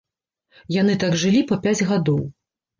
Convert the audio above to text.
Яны так жылі па пяць гадоў.